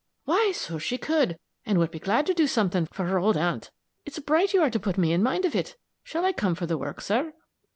"Why, so she could! and would be glad to do something for her old aunt. It's bright you are to put me in mind of it. Shall I come for the work, sir?"